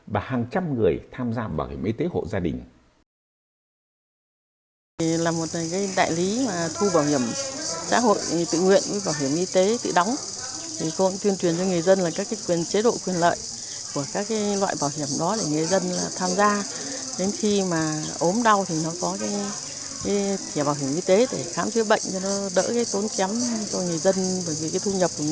và hàng trăm người tham gia bảo hiểm y tế hộ gia đình